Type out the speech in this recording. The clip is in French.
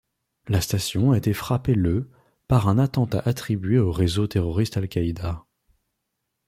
La station a été frappée le par un attentat attribué au réseau terroriste Al-Qaïda.